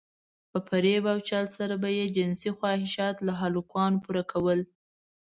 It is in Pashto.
په فريب او چل سره به يې جنسي خواهشات له هلکانو پوره کول.